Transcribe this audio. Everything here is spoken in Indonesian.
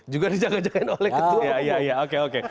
juga dijaga jagain oleh ketua umum